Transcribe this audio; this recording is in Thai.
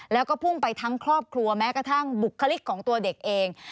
แล้วก็พุ่งไปทั้งครอบครัวแม้กระทั่งบุคลิกของตัวเด็กเอง